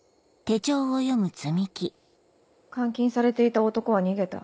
監禁されていた男は逃げた。